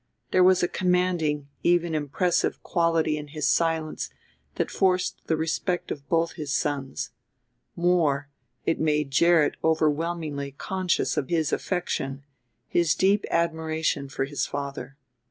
There was a commanding, even impressive, quality in his silence that forced the respect of both his sons. More it made Gerrit overwhelmingly conscious of his affection, his deep admiration, for his father.